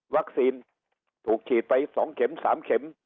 วัคซีนถูกขีดไป๒เข็ม๓เข็ม